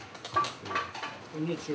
こんにちは。